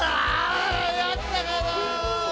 やったがな！